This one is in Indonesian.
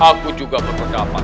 aku juga berpendapat seperti itu